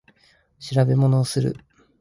調べ物をする